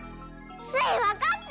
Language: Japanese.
スイわかった！